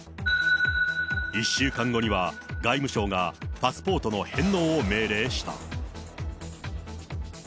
１週間後には、外務省がパスポートの返納を命令した。